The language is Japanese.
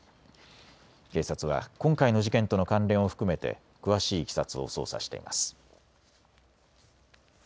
警察は今回の事件との関連を含め詳しいいきさつを捜査しています。